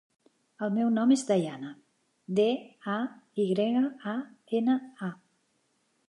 El meu nom és Dayana: de, a, i grega, a, ena, a.